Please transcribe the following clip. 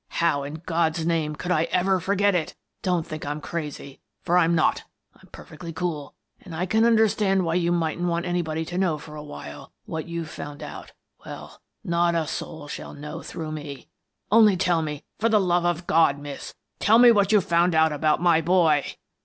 How, in God's name, could I ever forget it? Don't think I'm crazy, for I'm not I'm perfectly cool, and I can understand why you mightn't want anybody to know for awhile what you've found out. Well, not a soul shall know through me. Only tell me — for the love of God, Miss, tell me what you've found out about my boy!